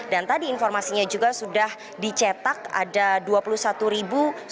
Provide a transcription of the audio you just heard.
dan tadi informasinya juga sudah dicetak ada dua puluh satu suara